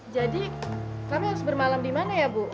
jadi kami harus bermalam di mana ya bu